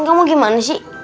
kamu gimana sih